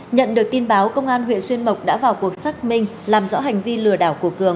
nhận được tin báo công an huyện xuyên mộc đã vào cuộc xác minh làm rõ hành vi lừa đảo của cường